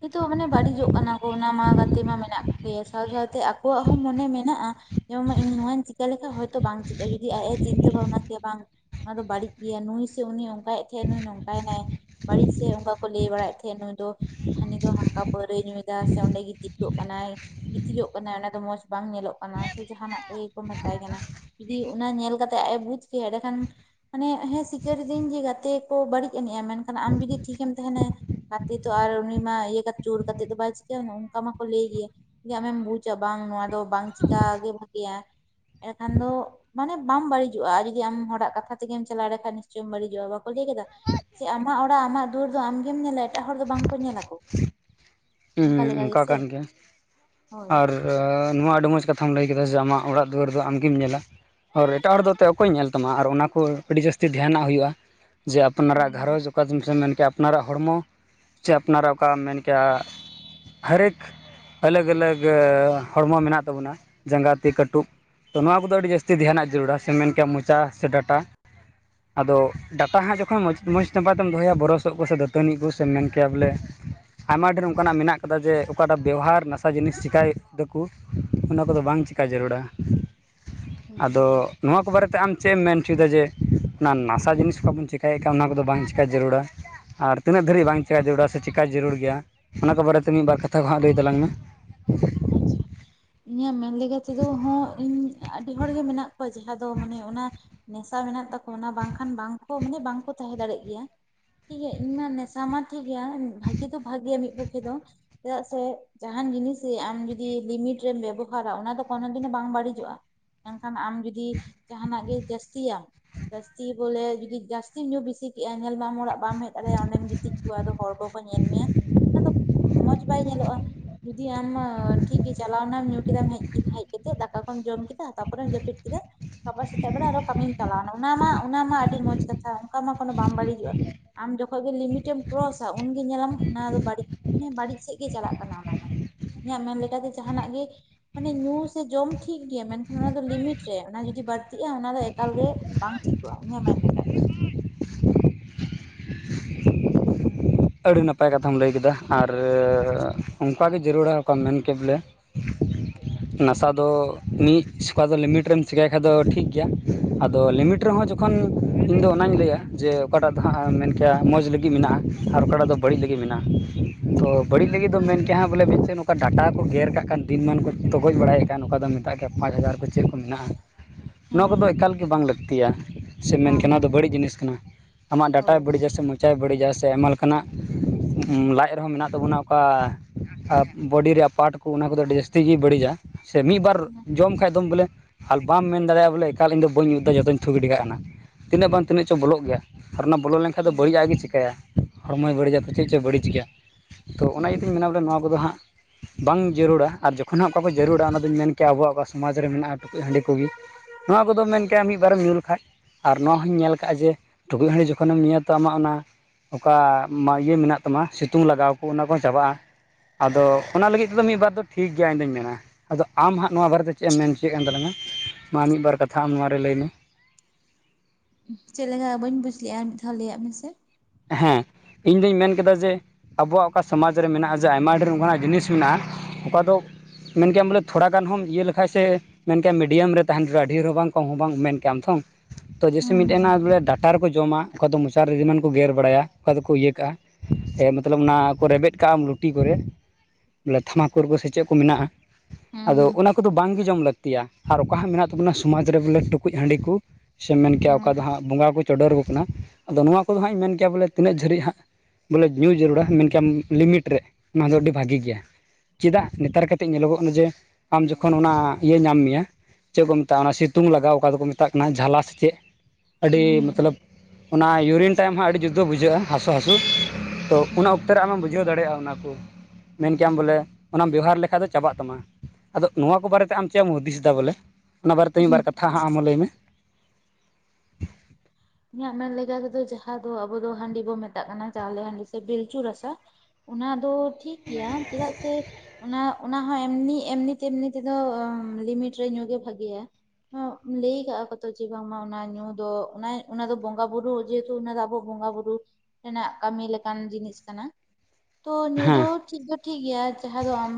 ᱱᱤᱛᱚᱜ ᱢᱟᱱᱮ ᱵᱟᱹᱲᱤᱡᱚᱜ ᱠᱟᱱᱟ ᱠᱚ ᱚᱱᱟ ᱢᱟ ᱜᱟᱛᱮ ᱢᱟ ᱢᱮᱱᱟᱜ ᱠᱚᱜᱮᱭᱟ ᱥᱟᱶ ᱥᱟᱶᱛᱮ ᱟᱠᱚᱣᱟᱜ ᱦᱚᱸ ᱢᱚᱱᱮ ᱢᱮᱱᱟᱜᱼᱟ ᱡᱮᱢᱚᱱ ᱤᱧ ᱱᱚᱣᱟᱧ ᱪᱤᱠᱟᱹ ᱞᱮᱠᱷᱟᱡ ᱦᱚᱭᱛᱚ ᱵᱟᱝ ᱪᱤᱠᱟᱹᱜᱼᱟ ᱡᱩᱫᱤ ᱟᱡ ᱮ ᱪᱤᱱᱛᱟᱹ ᱵᱷᱟᱵᱽᱱᱟ ᱛᱮᱭᱟ ᱵᱟᱝ ᱚᱱᱟ ᱫᱚ ᱵᱟᱹᱲᱤᱡ ᱜᱮᱭᱟ ᱱᱩᱭ ᱥᱮ ᱩᱱᱤ ᱱᱚᱝᱠᱟᱭᱮᱫ ᱛᱟᱦᱮᱸᱫ ᱱᱩᱭ ᱱᱚᱝᱠᱟᱭᱱᱟᱭ ᱵᱟᱹᱲᱤᱡᱮᱫ ᱚᱱᱠᱟ ᱠᱚ ᱞᱟᱹᱭ ᱵᱟᱲᱟᱭᱮᱫ ᱛᱟᱦᱮᱸᱫ ᱱᱩᱭ ᱫᱚ ᱦᱟᱹᱱᱤ ᱫᱚ ᱦᱟᱱᱠᱟ ᱯᱟᱹᱣᱨᱟᱹᱭ ᱧᱩᱭᱮᱫᱟ ᱥᱮ ᱚᱸᱰᱮ ᱜᱤᱛᱤᱡ ᱠᱚᱜ ᱠᱟᱱᱟᱭ ᱜᱤᱛᱤᱡᱚᱜ ᱠᱟᱱᱟ ᱚᱱᱟ ᱫᱚ ᱢᱚᱸᱡᱽ ᱵᱟᱝ ᱧᱮᱞᱚᱜ ᱠᱟᱱᱟ ᱥᱮ ᱡᱟᱦᱟᱱᱟᱜ ᱜᱮᱠᱚ ᱢᱮᱛᱟᱭ ᱠᱟᱱᱟ ᱡᱩᱫᱤ ᱚᱱᱟ ᱧᱮᱞ ᱠᱟᱛᱮᱜ ᱟᱡ ᱮ ᱵᱩᱡᱽ ᱠᱮᱭᱟ ᱮᱸᱰᱮ ᱠᱷᱟᱱ ᱢᱟᱱᱮ ᱦᱮᱸ ᱥᱤᱠᱟᱹᱨᱤᱫᱟᱹᱧ ᱡᱮ ᱜᱟᱛᱼᱼᱼ ᱛᱮ ᱠᱚ ᱵᱟᱹᱲᱤᱡ ᱮᱱᱮᱡᱼᱟ ᱢᱮᱱᱠᱷᱟᱱ ᱟᱢ ᱡᱩᱫᱤ ᱴᱷᱤᱠᱮᱢ ᱛᱟᱦᱮᱱᱟ ᱜᱟᱛᱮ ᱛᱚ ᱟᱨ ᱩᱱᱤ ᱢᱟ ᱤᱭᱟᱹ ᱠᱟᱛᱮ ᱪᱳᱨ ᱠᱟᱛᱮᱜ ᱫᱚ ᱵᱟᱭ ᱪᱤᱠᱟᱹᱭᱟᱱᱟ ᱚᱱᱠᱟ ᱢᱟᱠᱚ ᱞᱟᱹᱭ ᱜᱮᱭᱟ ᱟᱢᱮᱢ ᱵᱩᱡᱟ ᱵᱟᱝ ᱱᱚᱣᱟ ᱫᱚ ᱵᱟᱝ ᱪᱤᱠᱟᱼᱟ ᱵᱷᱟᱜᱮᱭᱟ [unintelligible] ᱮᱱᱰᱮᱠᱷᱟᱱ ᱫᱚ ᱢᱟᱱᱮ ᱵᱟᱢ ᱵᱟᱹᱲᱤᱡᱚᱜᱼᱟ ᱟᱨ ᱡᱩᱫᱤ ᱟᱢ ᱦᱚᱲᱟᱜ ᱠᱟᱛᱷᱟ ᱛᱮᱜᱮᱢ ᱪᱟᱞᱟᱣ ᱞᱮᱠᱷᱟᱱ ᱱᱤᱥᱪᱚᱭᱮᱢ ᱵᱟᱹᱲᱤᱡᱚᱜᱼᱟ ᱞᱟᱹᱭ ᱠᱮᱫᱟ ᱡᱮ ᱟᱢᱟᱜ ᱚᱲᱟᱜ ᱟᱢᱟᱜ ᱫᱩᱣᱟᱹᱨ ᱫᱚ ᱟᱢᱜᱮᱢ ᱧᱮᱞᱟ ᱮᱴᱟᱜ ᱦᱚᱲ ᱫᱚ ᱵᱟᱝᱠᱚ ᱧᱮᱞᱟᱠᱚ ᱞᱮᱠᱟ ᱚᱱᱠᱟ ᱜᱮᱥᱮ ᱠᱟᱱ ᱜᱮᱭᱟ ᱦᱳᱭ ᱟᱨ ᱱᱚᱣᱟ ᱟᱹᱰᱤ ᱢᱚᱸᱡᱽ ᱠᱟᱛᱷᱟᱢ ᱞᱟᱹᱭ ᱠᱮᱫᱟ ᱡᱮ ᱟᱢᱟᱜ ᱚᱲᱟᱜ ᱫᱩᱣᱟᱹᱨ ᱫᱚ ᱟᱢᱜᱮᱢ ᱧᱮᱞᱟ ᱟᱨ ᱮᱴᱟᱜ ᱦᱚᱲ ᱫᱚ ᱮᱱᱛᱮ ᱚᱠᱚᱭ ᱧᱮᱞ ᱛᱟᱢᱟ ᱟᱨ ᱚᱱᱟ ᱠᱚ ᱟᱹᱰᱤ ᱡᱟᱹᱥᱛᱤ ᱫᱷᱮᱭᱟᱱᱟᱜ ᱦᱩᱭᱩᱜᱼᱟ ᱡᱮ ᱦᱩᱸ ᱟᱯᱱᱟᱨᱟᱜ ᱦᱩᱸ ᱜᱷᱟᱨᱚᱸᱡᱽ ᱚᱠᱟ ᱡᱤᱱᱤᱥᱮᱢ ᱢᱮᱱ ᱠᱮᱭᱟ ᱟᱯᱱᱟᱨᱟᱜ ᱦᱚᱲᱢᱚ ᱪᱮ ᱟᱯᱱᱟᱨᱟᱜ ᱚᱠᱟᱢ ᱢᱮᱱ ᱠᱮᱭᱟ ᱦᱟᱨᱮᱠ ᱟᱞᱟᱜᱽ ᱟᱞᱟᱜᱽ ᱦᱚᱲᱢᱚ ᱢᱮᱱᱟᱜ ᱛᱟᱵᱚᱱᱟ ᱡᱟᱸᱜᱟ ᱛᱤ ᱠᱟᱹᱴᱩᱵ ᱛᱚ ᱱᱚᱣᱟ ᱠᱚᱫᱚ ᱟᱹᱰᱤ ᱡᱟᱹᱥᱛᱤ ᱫᱷᱮᱭᱟᱱᱟᱜ ᱡᱟᱹᱨᱩᱲᱟ ᱥᱮᱢ ᱢᱮᱱ ᱠᱮᱭᱟ ᱢᱚᱪᱟ ᱥᱮ ᱰᱟᱴᱟ ᱟᱫᱚ ᱰᱟᱴᱟ ᱦᱟᱸᱜ ᱡᱚᱠᱷᱚᱱᱚ ᱢᱚᱡᱽ ᱱᱟᱯᱟᱭ ᱛᱮᱢ ᱫᱚᱦᱚᱭᱟ ᱵᱚᱨᱚᱥᱚᱜ ᱠᱚ ᱥᱮ ᱫᱟᱹᱛᱟᱹᱱᱤ ᱠᱚᱥᱮᱢ ᱢᱮᱱ ᱠᱮᱭᱟ ᱵᱚᱞᱮ ᱟᱭᱢᱟ ᱰᱷᱮᱨ ᱚᱱᱠᱟᱱᱟᱜ ᱢᱮᱱᱟᱜ ᱠᱟᱫᱟ ᱡᱮ ᱚᱠᱟᱴᱟᱜ ᱵᱮᱣᱦᱟᱨ ᱱᱟᱥᱟ ᱡᱤᱱᱤᱥ ᱪᱮᱠᱟᱹᱭ ᱫᱟᱠᱚ ᱚᱱᱟ ᱠᱚᱫᱚ ᱵᱟᱝ ᱪᱮᱠᱟᱹ ᱡᱟᱹᱨᱩᱲᱟ ᱦᱩᱸ ᱟᱫᱚ ᱦᱩᱸ ᱱᱚᱣᱟ ᱠᱚ ᱵᱟᱨᱮᱛᱮ ᱟᱢ ᱪᱮᱫ ᱮᱢ ᱢᱮᱱ ᱚᱪᱚᱭᱮᱫᱟ ᱡᱮ ᱚᱱᱟ ᱱᱟᱥᱟ ᱡᱤᱱᱤᱥ ᱠᱚ ᱵᱚᱱ ᱪᱮᱠᱟᱹᱭᱮᱫ ᱠᱟᱱ ᱚᱱᱟ ᱠᱚᱫᱚ ᱵᱟᱝ ᱪᱮᱠᱟᱹᱭ ᱡᱟᱹᱨᱩᱲᱟ ᱟᱨ ᱛᱤᱱᱟᱹᱜ ᱫᱷᱟᱹᱨᱤᱡ ᱵᱟᱝ ᱪᱮᱠᱟ ᱡᱟᱹᱨᱩᱲᱟ ᱥᱮ ᱪᱮᱠᱟ ᱡᱟᱹᱨᱩᱲ ᱜᱮᱭᱟ ᱚᱱᱟ ᱠᱚ ᱵᱟᱨᱮᱛᱮ ᱢᱤᱫ ᱵᱟᱨ ᱠᱟᱛᱷᱟ ᱠᱚ ᱦᱟᱸᱜ ᱞᱟᱹᱭ ᱛᱟᱞᱟᱝ ᱢᱮ ᱟᱪᱪᱷᱟ ᱤᱧᱟᱹᱜ ᱢᱮᱱ ᱞᱮᱠᱟ ᱛᱮᱫᱚ ᱦᱚᱸ ᱤᱧ ᱟᱹᱰᱤ ᱦᱚᱲ ᱜᱮ ᱢᱮᱱᱟᱜ ᱠᱚᱣᱟ ᱡᱟᱦᱟᱸ ᱫᱚ ᱢᱟᱱᱮ ᱚᱱᱟ ᱱᱮᱥᱟ ᱢᱮᱱᱟᱜ ᱛᱟᱠᱚ ᱚᱱᱟ ᱵᱟᱝᱠᱷᱟᱱ ᱵᱟᱝᱠᱚ ᱢᱟᱱᱮ ᱵᱟᱝᱠᱚ ᱛᱟᱦᱮᱸ ᱫᱟᱲᱮᱜ ᱜᱮᱭᱟ ᱴᱷᱤᱠᱜᱮᱭᱟ ᱤᱧ ᱢᱟ ᱱᱮᱥᱟ ᱢᱟ ᱴᱷᱤᱠᱜᱮᱭᱟ ᱵᱷᱟᱜᱤ ᱫᱚ ᱵᱷᱟᱜᱮᱭᱟ ᱢᱤᱫ ᱯᱚᱠᱠᱷᱮ ᱫᱚ ᱪᱮᱫᱟᱜ ᱥᱮ ᱡᱟᱦᱟᱱ ᱡᱤᱱᱤᱥ ᱥᱮ ᱟᱢ ᱡᱩᱫᱤ ᱞᱤᱢᱤᱴ ᱨᱮᱢ ᱵᱮᱵᱚᱦᱟᱨᱟ ᱚᱱᱟ ᱫᱚ ᱠᱚᱱᱚ ᱫᱤᱱ ᱵᱟᱝ ᱵᱟᱹᱲᱤᱡᱚᱜᱼᱟ ᱢᱮᱱᱠᱷᱟᱱ ᱟᱢ ᱡᱩᱫᱤ ᱡᱟᱦᱟᱱᱟᱜ ᱜᱮ ᱡᱟᱹᱥᱛᱤᱭᱟᱢ ᱡᱟᱹᱥᱛᱤ ᱵᱚᱞᱮ ᱡᱩᱫᱤ ᱡᱟᱹᱥᱛᱤ ᱧᱩ ᱵᱤᱥᱤ ᱠᱮᱜ-ᱟ ᱧᱮᱞ ᱢᱮ ᱟᱢ ᱚᱲᱟᱜ ᱵᱟᱢ ᱦᱮᱡ ᱫᱟᱲᱮᱭᱟᱜᱼᱟ ᱚᱸᱰᱮᱢ ᱜᱤᱛᱤᱡ ᱠᱚᱜᱼᱟ ᱟᱫᱚ ᱦᱚᱲ ᱠᱚᱠᱚ ᱧᱮᱞ ᱢᱮᱭᱟ ᱚᱱᱟ ᱫᱚ ᱢᱚᱸᱡᱽ ᱵᱟᱭ ᱧᱮᱞᱚᱜᱼᱟ ᱡᱩᱫᱤ ᱟᱢ ᱢᱟ ᱴᱷᱤᱠ ᱜᱮ ᱪᱟᱞᱟᱣᱱᱟᱢ ᱧᱩ ᱠᱮᱫᱟᱢ ᱫᱟᱠᱟ ᱠᱚᱢ ᱡᱚᱢ ᱠᱮᱫᱟ ᱛᱟᱯᱚᱨᱮᱢ ᱡᱟᱹᱯᱤᱫ ᱠᱮᱫᱟ ᱟᱵᱟᱨ ᱥᱮᱛᱟᱜ ᱵᱮᱲᱟ ᱟᱨᱦᱚᱸ ᱠᱟᱹᱢᱤ ᱪᱟᱞᱟᱣᱱᱟ ᱚᱱᱟ ᱢᱟ ᱚᱱᱟᱢᱟ ᱟᱹᱰᱤ ᱢᱚᱸᱡᱽ ᱠᱟᱛᱷᱟ ᱚᱱᱠᱟ ᱢᱟ ᱠᱚᱱᱚ ᱵᱟᱝ ᱵᱟᱹᱲᱤᱡᱚᱜᱼᱟ ᱟᱢ ᱡᱚᱠᱷᱚᱱ ᱜᱮ ᱞᱤᱢᱤᱴᱮᱢ ᱠᱨᱚᱥᱟ ᱩᱱᱜᱮ ᱧᱮᱞᱟᱢ ᱚᱱᱟ ᱫᱚ ᱵᱟᱹᱲᱤᱡ ᱵᱟᱲᱤᱡ ᱥᱮᱫ ᱜᱮ ᱪᱟᱞᱟᱜ ᱠᱟᱱᱟ ᱚᱱᱟ ᱫᱚ ᱤᱧᱟᱹᱜ ᱢᱮᱱ ᱞᱮᱠᱟᱛᱮ ᱡᱟᱦᱟᱱᱟᱜ ᱜᱮ ᱢᱟᱱᱮ ᱧᱩ ᱥᱮ ᱡᱚᱢ ᱴᱷᱤᱠ ᱜᱮᱭᱟ ᱢᱮᱱᱠᱷᱟᱱ ᱚᱱᱟ ᱫᱚ ᱞᱤᱢᱤᱴ ᱨᱮ ᱚᱱᱟ ᱡᱩᱫᱤ ᱵᱟᱹᱲᱛᱤᱜᱼᱟ ᱚᱱᱟᱫᱚ ᱮᱠᱟᱞᱜᱮ ᱵᱟᱝ ᱴᱷᱤᱠᱚᱜᱼᱟ ᱤᱧᱟᱹᱜ ᱢᱮᱱ ᱞᱮᱠᱛᱮ ᱟᱹᱰᱤ ᱱᱟᱯᱟᱭ ᱠᱟᱛᱷᱟᱢ ᱞᱟᱹᱭ ᱠᱮᱫᱟ ᱟᱨ ᱚᱱᱠᱟᱜᱮ ᱡᱟᱹᱨᱩᱲᱟᱠᱟᱢ ᱢᱮᱱ ᱠᱮᱫ ᱵᱚᱞᱮ ᱱᱟᱥᱟᱣ ᱫᱚ ᱢᱤᱫ ᱥᱚᱠᱟ ᱫᱚ ᱞᱤᱢᱤᱴ ᱨᱮᱢ ᱪᱤᱠᱟᱹᱭ ᱠᱷᱟᱡ ᱫᱚ ᱴᱷᱤᱠ ᱜᱮᱭᱟ ᱟᱫᱚ ᱞᱤᱢᱤᱴ ᱨᱮᱦᱚᱸ ᱡᱚᱠᱷᱚᱱ ᱤᱧ ᱫᱚ ᱚᱱᱟᱧ ᱞᱟᱹᱭᱟ ᱡᱮ ᱚᱠᱟᱴᱟᱜ ᱫᱚ ᱦᱟᱸᱜ ᱢᱮᱱ ᱠᱮᱭᱟ ᱢᱚᱸᱡᱽ ᱞᱟᱹᱜᱤᱫ ᱢᱮᱱᱟᱜᱼᱟ ᱟᱨ ᱚᱠᱟᱴᱟᱜ ᱫᱚ ᱵᱟᱹᱲᱤᱡ ᱞᱟᱹᱜᱤᱫ ᱢᱮᱱᱟᱜᱼᱟ ᱛᱚ ᱵᱟᱹᱲᱤᱡ ᱞᱟᱹᱜᱤᱫ ᱫᱚ ᱢᱮᱱ ᱠᱮ ᱦᱟᱸᱜ ᱵᱚᱞᱮ ᱢᱤᱫ ᱪᱮᱱ ᱱᱚᱝᱠᱟ ᱰᱟᱴᱟ ᱠᱚ ᱜᱮᱨ ᱠᱟᱜ ᱠᱷᱟᱱ ᱫᱤᱱᱟ. ᱢ ᱠᱚ ᱛᱠᱚᱚᱡ ᱵᱟᱲᱟᱭᱮᱫ ᱠᱟᱱ ᱱᱚᱝᱠᱟ ᱫᱚ ᱢᱮᱛᱟᱜᱮᱭᱟ ᱯᱟᱸᱪ ᱦᱟᱡᱟᱨ ᱠᱚ ᱪᱮᱫ ᱠᱚ ᱢᱮᱱᱟᱜᱼᱟ ᱱᱚᱣᱟ ᱦᱩᱸ ᱠᱚᱫᱚ ᱦᱩᱸ ᱮᱠᱟᱞᱜᱮ ᱵᱟᱝ ᱞᱟᱹᱠᱛᱤᱭᱟ ᱥᱮ ᱢᱮᱱ ᱵᱟᱝ ᱠᱟᱱᱟ ᱚᱱᱟ ᱫᱚ ᱵᱟᱝ ᱵᱟᱹᱲᱤᱡ ᱡᱤᱱᱤᱥ ᱠᱟᱱᱟ ᱟᱢᱟᱜ ᱰᱟᱴᱟᱭ ᱦᱳᱭ ᱵᱟᱹᱲᱤᱡᱟ ᱥᱮ ᱢᱚᱪᱟᱭ ᱵᱟᱹᱲᱤᱡᱟ ᱥᱮ ᱟᱭᱢᱟ ᱞᱮᱠᱟᱱᱟᱜ ᱞᱟᱡ ᱨᱮᱦᱚᱸ ᱢᱮᱱᱟᱜ ᱛᱟᱵᱚᱱᱟ ᱚᱠᱟ ᱵᱚᱰᱤ ᱨᱮᱭᱟᱜ ᱯᱟᱨᱴ ᱠᱚ ᱚᱱᱟ ᱠᱚᱫᱚ ᱟᱹᱰᱤ ᱡᱟᱹᱥᱛᱤ ᱜᱮ ᱵᱟᱹᱲᱤᱡᱟ ᱥᱮ ᱢᱤᱫᱵᱟᱨ ᱦᱩᱸ ᱦᱩᱸ ᱡᱚᱢ ᱠᱷᱟᱭᱜ ᱫᱚ ᱵᱚᱞᱮ ᱟᱨ ᱵᱟᱢ ᱢᱮᱱᱟᱲᱮᱭᱟᱜ ᱵᱚᱞᱮ ᱮᱠᱟᱞ ᱤᱧᱫᱚ ᱵᱟᱹᱧ ᱩᱛ ᱮᱫᱟ ᱡᱚᱛᱚᱧ ᱛᱷᱩ ᱜᱤᱰᱤ ᱠᱟᱜ ᱠᱟᱱᱟ ᱛᱤᱱᱟᱹᱜ ᱵᱟᱝᱟᱱ ᱛᱤᱱᱟᱹᱜ ᱪᱚ ᱵᱚᱞᱚᱜᱮᱭᱟ ᱟᱨ ᱚᱱᱟ ᱵᱚᱞᱚ ᱞᱮᱠᱷᱟᱱ ᱟᱫᱚ ᱦᱩᱸ ᱵᱟᱹᱲᱤᱡᱟᱜ ᱜᱮ ᱪᱮᱠᱟᱭᱟ ᱦᱚᱲᱢᱚᱭ ᱵᱟᱹᱲᱤᱡᱟᱜᱼᱟ ᱯᱟᱪᱮᱫ ᱪᱚ ᱵᱟᱹᱲᱤᱡ ᱜᱮᱭᱟ ᱛᱚ ᱚᱱᱟ ᱦᱩᱸ ᱤᱭᱟᱹᱛᱮᱧ ᱦᱩᱸ ᱢᱮᱱᱟ ᱱᱚᱣᱟ ᱠᱚᱫᱚ ᱦᱟᱸᱜ ᱵᱟᱝ ᱡᱟᱹᱨᱩᱲᱟ ᱟᱨ ᱡᱚᱠᱷᱚᱱ ᱦᱟᱸᱜ ᱚᱠᱟ ᱠᱚ ᱡᱟᱹᱨᱩᱲᱟ ᱚᱱᱟ ᱫᱚᱧ ᱢᱮᱱ ᱠᱮᱭᱟ ᱟᱵᱚᱣᱟᱜ ᱚᱠᱟ ᱥᱚᱢᱟᱡᱽ ᱨᱮ ᱢᱮᱱᱟᱜᱼᱟ ᱴᱩᱠᱩᱡ ᱦᱟᱺᱰᱤ ᱠᱚᱜᱤ ᱱᱚᱣᱟ ᱠᱚᱫᱚᱢ ᱢᱮᱱ ᱠᱮᱭᱟ ᱢᱤᱫ ᱵᱟᱨᱮᱢ ᱧᱩ ᱞᱮᱠᱷᱟᱭᱡ ᱟᱨ ᱱᱚᱣᱟ ᱦᱚᱸᱧ ᱧᱮᱞ ᱟᱠᱟᱟᱜᱼᱟ ᱡᱮ ᱴᱩᱠᱩᱡ ᱦᱸᱱᱰᱤ ᱡᱚᱠᱷᱚᱱᱮᱢ ᱧᱩᱭᱟ ᱛᱚ ᱟᱢᱟᱜ ᱚᱱᱟ ᱚᱠᱟ ᱢᱟᱭᱟᱹ ᱢᱮᱱᱟᱜ ᱛᱟᱢᱟ ᱥᱤᱛᱩᱝ ᱞᱟᱜᱟᱣ ᱟᱠᱚ ᱚᱱᱟ ᱠᱚᱦᱚᱸ ᱪᱟᱵᱟᱜᱼᱟ ᱟᱫᱚ ᱚᱱᱟ ᱞᱟᱹᱜᱤᱫ ᱛᱮᱫᱚ ᱢᱤᱫ ᱵᱟᱨ ᱫᱚ ᱴᱷᱤᱠ ᱜᱮᱭᱟ ᱤᱧᱫᱩᱧ ᱢᱮᱱᱟ ᱟᱫᱚ ᱟᱢ ᱦᱟᱸᱜ ᱱᱚᱣᱟ ᱵᱟᱨᱮᱛᱮ ᱪᱮᱫ ᱮᱢ ᱢᱮᱱ ᱚᱪᱚᱭᱮᱫ ᱠᱟᱱ ᱛᱟᱞᱟᱝᱟ ᱢᱟ ᱢᱤᱫ ᱵᱟᱨ ᱠᱟᱛᱷᱟ ᱟᱢ ᱱᱚᱣᱟ ᱨᱮ ᱞᱟᱹᱭᱢᱮ ᱪᱮᱫ ᱞᱮᱠᱟ ᱵᱟᱹᱧ ᱵᱩᱡᱞᱮᱜᱼᱟ ᱢᱤᱫ ᱫᱷᱟᱣ ᱞᱟᱹᱭᱟᱜ ᱢᱮᱥᱮ ᱦᱮᱸ ᱤᱧ ᱫᱩᱧ ᱢᱮᱱ ᱠᱮᱫᱟ ᱡᱮ ᱟᱵᱚᱣᱟᱜ ᱚᱠᱟ ᱥᱚᱢᱟᱡᱽ ᱨᱮ ᱢᱮᱱᱟᱜᱼᱟ ᱡᱮ ᱟᱭᱢᱟ ᱰᱷᱮᱨ ᱚᱱᱠᱟᱱᱟᱜ ᱡᱤᱱᱤᱥ ᱢᱮᱱᱟᱜᱼᱟ ᱚᱠᱟ ᱫᱚ ᱢᱮᱱ ᱠᱮᱭᱟᱢ ᱵᱚᱞᱮ ᱛᱷᱚᱲᱟ ᱜᱟᱱ ᱦᱚᱢ ᱤᱭᱟᱹ ᱞᱮᱠᱷᱟᱡ ᱥᱮ ᱢᱮᱱᱠᱮᱭᱟᱢ ᱢᱤᱰᱤᱭᱟᱢ ᱨᱮ ᱛᱟᱦᱮᱱ ᱨ ᱰᱷᱮᱨ ᱦᱚᱸ ᱵᱟᱝ ᱠᱚᱢᱦᱚ ᱵᱟᱝ ᱢᱮᱱ ᱠᱮᱭᱟᱢ ᱛᱷᱚᱝ ᱛᱚ ᱡᱮᱭᱥᱮ ᱦᱩᱸ ᱦᱩᱸ ᱢᱤᱫᱴᱮᱱ ᱟᱜ ᱵᱚᱞᱮ ᱰᱟᱴᱟ ᱨᱮᱠᱚ ᱡᱚᱢᱟ ᱚᱠᱟ ᱫᱚ ᱢᱚᱪᱟ ᱨᱮ ᱠᱚ ᱜᱮᱨ ᱵᱟᱲᱟᱭᱟ ᱚᱠᱟ ᱫᱚᱠᱚ ᱤᱭᱟᱹ ᱠᱟᱜᱼᱟ ᱢᱚᱛᱞᱚᱵ ᱚᱱᱟ ᱠᱚ ᱨᱮᱵᱮᱫ ᱠᱟᱜᱼᱟ ᱞᱩᱴᱤ ᱠᱚᱨᱮ ᱵᱚᱞᱮ ᱛᱷᱟᱢᱟᱠᱩᱨ ᱠᱚ ᱥᱮ ᱪᱮᱫ ᱠᱚ ᱢᱮᱱᱟᱜᱼᱟ ᱦᱩᱸ ᱟᱫᱚ ᱦᱩᱸ ᱚᱱᱟ ᱠᱚᱫᱚ ᱵᱟᱝᱜᱮ ᱡᱚᱢ ᱞᱟᱹᱠᱛᱤ ᱛᱤᱭᱟ ᱟᱨ ᱚᱠᱟ ᱦᱜ ᱢᱮᱱᱟᱜ ᱛᱟᱵᱚᱱᱟ ᱥᱚᱢᱟᱡᱽ ᱨᱮ ᱵᱚᱞᱮ ᱴᱩᱠᱩᱡ ᱦᱟᱺᱰᱤ ᱠᱚ ᱥᱮᱢ ᱢᱮᱱ ᱠᱮᱭᱟ ᱦᱩᱸ ᱚᱠᱟ ᱫᱚ ᱦᱟᱸᱜ ᱵᱚᱸᱜᱟ ᱠᱚ ᱪᱚᱰᱚᱨ ᱟᱠᱚ ᱠᱟᱱᱟ ᱟᱫᱚ ᱱᱚᱣᱟ ᱠᱚᱫᱚ ᱦᱟᱸᱜ ᱤᱧ ᱢᱮᱱ ᱠᱮᱭᱟ ᱵᱚᱞᱮ ᱛᱤᱱᱟᱹᱜ ᱡᱷᱟᱹᱨᱤᱡ ᱦᱟᱸᱜ ᱵᱚᱞᱮ ᱧᱩ ᱡᱟᱹᱨᱩᱲᱟ ᱢᱮᱱᱠᱷ ᱞᱤᱢᱤᱴ ᱨᱮ ᱚᱱᱟ ᱫᱚ ᱟᱹᱰᱤ ᱵᱷᱟᱜᱤ ᱜᱮᱭᱟ ᱪᱮᱫᱟᱜ ᱱᱮᱛᱟᱨᱛᱮᱫ ᱧᱮᱞᱚᱜᱚᱜ ᱠᱟᱱᱟ ᱡᱮ ᱟᱢ ᱡᱚᱠᱷᱚᱱ ᱚᱱᱟ ᱤᱭᱟᱹ ᱧᱟᱢ ᱢᱮᱭᱟ ᱪᱮᱫ ᱠᱚ ᱢᱮᱛᱟᱜᱼᱟ ᱚᱱᱟ ᱥᱤᱛᱩᱝ ᱞᱟᱜᱟᱣ ᱚᱠᱟ ᱫᱚᱠᱚ ᱢᱮᱛᱟᱜ ᱠᱟᱱᱟ ᱡᱷᱟᱞᱟ ᱥᱮ ᱪᱮᱫ ᱟᱹᱰᱤ ᱦᱩᱸ ᱢᱚᱛᱞᱚᱵ ᱚᱱᱟ ᱤᱭᱩᱨᱤᱱ ᱛᱟᱭᱚᱢ ᱦᱟᱸᱜ ᱟᱹᱰᱤ ᱡᱩᱫᱟ. ᱵᱩᱡᱷᱟᱹᱜᱼᱟ ᱦᱟᱹᱥᱩ ᱦᱟᱹᱥᱩ ᱛᱚ ᱦᱩᱸ ᱚᱱᱟ ᱚᱠᱛᱚ ᱦᱩᱸ ᱨᱮᱢ ᱵᱩᱡᱷᱟᱹᱣ ᱫᱟᱲᱮᱭᱟᱜᱼᱟ ᱚᱱᱟ ᱠᱚ ᱢᱮᱱ ᱠᱮᱭᱟᱢ ᱵᱚᱞᱮ ᱚᱱᱟᱢ ᱵᱮᱣᱦᱟᱨ ᱞᱮᱠᱷᱟᱡ ᱫᱚ ᱪᱟᱵᱟᱜ ᱛᱟᱢᱟ᱾ ᱟᱫᱚ ᱱᱚᱣᱟ ᱠᱚ ᱵᱟᱨᱮᱛᱮ ᱟᱢ ᱪᱮᱫ ᱮᱢ ᱦᱩᱫᱤᱥ ᱫᱟ ᱵᱚᱞᱮ ᱚᱱᱟ ᱵᱟᱨᱮᱛᱮ ᱢᱤᱫ ᱵᱟᱨ ᱠᱟᱛᱷᱟ ᱦᱟᱸᱜ ᱟᱢ ᱞᱟᱹᱭ ᱢᱮ ᱤᱧᱟᱹᱜ ᱢᱮᱱ ᱞᱮᱠᱟ ᱛᱮᱫᱚ ᱡᱟᱦᱟᱸ ᱫᱚ ᱟᱵᱚ ᱫᱚ ᱦᱟᱺᱰᱤ ᱵᱚᱱ ᱢᱮᱛᱟᱜ ᱠᱟᱱᱟ ᱪᱟᱣᱞᱮ ᱦᱟᱺᱰᱤ ᱥᱮ ᱯᱤᱞᱪᱩ ᱨᱟᱥᱟ ᱚᱱᱟ ᱫᱚ ᱴᱷᱤᱠ ᱜᱮᱭᱟ ᱪᱮᱫᱟᱜ ᱥᱮ ᱚᱱᱟ ᱚᱱᱟᱦᱚᱸ ᱮᱢᱱᱤ ᱮᱢᱱᱤ ᱛᱮᱢᱱᱤ ᱛᱮᱫᱚ ᱞᱤᱢᱤᱴ ᱨᱮ ᱧᱩ ᱜᱮ ᱵᱷᱟᱜᱮᱭᱟ ᱞᱟᱹᱭ ᱟᱠᱟᱟᱜᱼᱟ ᱠᱚᱛᱚ ᱪᱮ ᱵᱟᱝᱢᱟ ᱚᱱᱟ ᱧᱩ ᱫᱚ ᱚᱱᱟ ᱚᱱᱟ ᱫᱚ ᱵᱚᱸᱜᱟ ᱵᱩᱨᱩ ᱡᱮᱦᱮᱛᱩ ᱚᱱᱟ ᱫᱚ ᱟᱵᱚ ᱵᱚᱸᱜᱟ ᱵᱩᱨᱩ ᱨᱮᱱᱟᱜ ᱠᱟᱹᱢᱤ ᱞᱮᱠᱟᱱ ᱡᱤᱱᱤᱥ ᱠᱟᱱᱟ᱾ ᱛᱚ ᱧᱩ ᱦᱮᱸ ᱫᱚ ᱴᱷᱤᱠ ᱫᱚ ᱴᱷᱤᱠ ᱜᱮᱭᱟ ᱡᱟᱦᱟᱸ ᱫᱚ ᱟᱢ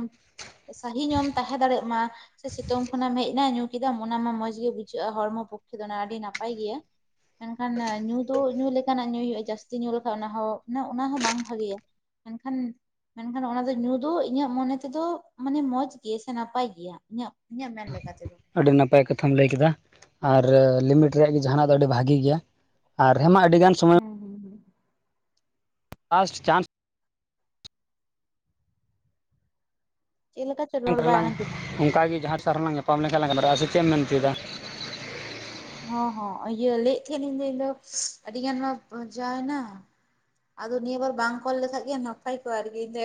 ᱥᱟᱹᱦᱤ ᱧᱚᱜ ᱮᱢ ᱛᱟᱦᱮ ᱫᱟᱲᱮᱭᱟᱜ ᱢᱟ᱾ ᱥᱮ ᱥᱤᱛᱩᱝ ᱠᱷᱚᱱᱟᱢ ᱦᱮᱡ ᱮᱱᱟ ᱧᱩ ᱠᱮᱫᱟᱢ ᱚᱱᱟ ᱢᱟ ᱢᱚᱸᱡᱽ ᱜᱮ ᱵᱩᱡᱷᱟᱹᱜᱼᱟ ᱦᱚᱲᱢᱚ ᱯᱚᱠᱠᱷᱮ ᱫᱚ ᱚᱱᱟ ᱟᱹᱰᱤ ᱱᱟᱯᱟᱭ ᱜᱮᱭᱟ ᱢᱮᱱᱠᱷᱟᱱ ᱧᱩ ᱫᱚ ᱧᱩ ᱞᱮᱠᱟᱱᱟᱜ ᱧᱩᱭ ᱦᱩᱭᱩᱜᱼᱟ ᱡᱟᱹᱥᱛᱤ ᱧᱩ ᱞᱮᱠᱷᱟᱱ ᱚᱱᱟ ᱦᱚᱸ ᱚᱱᱟ ᱚᱱᱟ ᱦᱚᱸ ᱵᱟᱝ ᱵᱷᱟᱜᱮᱭᱟ ᱮᱱᱠᱷᱟᱱ ᱢᱮᱱ ᱠᱷᱟᱱ ᱚᱱᱟ ᱫᱚ ᱧᱩ ᱫᱚ ᱤᱧᱟᱹᱜ ᱢᱚᱱᱮ ᱛᱮᱫᱚ ᱢᱟᱱᱮ ᱢᱚᱸᱡᱽ ᱜᱮ ᱥᱮ ᱱᱟᱯᱟᱭ ᱜᱮᱭᱟ ᱤᱧᱟᱹᱜ ᱤᱧᱟᱹᱜ ᱢᱮᱱ ᱞᱮᱠᱟ ᱛᱮᱫᱚ ᱟᱹᱰᱤ ᱱᱟᱯᱟᱭ ᱠᱟᱛᱷᱟᱢ ᱞᱟᱹᱭ ᱠᱮᱫᱟ ᱟᱨ ᱞᱤᱢᱤᱴ ᱨᱮᱭᱟᱜ ᱜᱮ ᱡᱟᱦᱟᱸᱱᱟᱜ ᱫᱚ ᱟᱹᱰᱤ ᱵᱷᱟᱜᱤ ᱜᱮᱭᱟ ᱟᱨ ᱦᱮᱸᱢᱟ ᱟᱹᱰᱤ ᱜᱟᱱ ᱥᱚᱢᱚᱭ ᱦᱩᱸ ᱦᱩᱸ ᱦᱩᱸ ᱞᱟᱥᱴ ᱪᱟᱱᱥ ᱪᱮᱫ ᱞᱮᱠᱟ ᱪᱚ ᱨᱚᱲ ᱚᱱᱠᱟ ᱵᱟᱭ ᱨᱮᱞᱟᱝ ᱟᱸᱡᱚᱢᱚᱜ ᱠᱟᱱᱟ ᱚᱝᱠᱟᱜᱮ ᱡᱟᱦᱟᱸ ᱛᱤᱥ ᱟᱨ ᱦᱚᱸ ᱞᱟᱝ ᱧᱟᱯᱟᱢ ᱞᱮᱱᱠᱷᱟᱱ ᱞᱟᱝ ᱜᱟᱞᱢᱟᱨᱟᱜ ᱟ ᱥᱮ ᱪᱮᱜ ᱮᱢ ᱢᱮᱱ ᱚᱪᱚᱭ ᱫᱟ ᱦᱚᱸ ᱦᱚᱸ ᱤᱭᱟᱹ ᱞᱟᱹᱭᱮᱜ ᱛᱷᱮᱭᱮᱜᱸᱞᱤᱧ ᱡᱮ ᱤᱧ ᱫᱚ ᱟᱹᱰᱤ ᱜᱟᱱ ᱢᱟ ᱵᱟᱡᱟᱣ ᱮᱱᱟ ᱟᱫᱚ ᱱᱤᱭᱟᱹ ᱵᱟᱨ ᱵᱟᱝ ᱠᱚᱞ ᱞᱮᱠᱷᱟᱡ ᱜᱮ ᱱᱟᱯᱟᱭ ᱠᱚᱜᱼᱟ ᱟᱨᱠᱤ ᱤᱧ ᱫᱚ